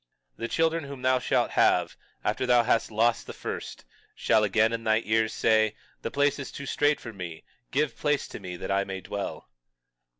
21:20 The children whom thou shalt have, after thou hast lost the first, shall again in thine ears say: The place is too strait for me; give place to me that I may dwell.